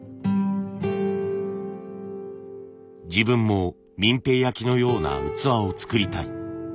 自分も平焼のような器を作りたい。